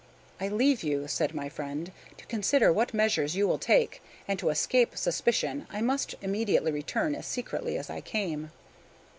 "I leave you," said my friend, "to consider what measures you will take; and, to escape suspicion, I must immediately return, as secretly as I came."